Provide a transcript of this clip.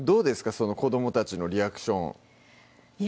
その子どもたちのリアクションいや